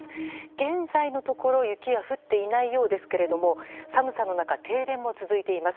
現在のところ、雪は降っていないようですけれども寒さの中、停電も続いています。